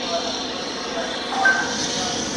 هغه د کالیو داغونه لیدل.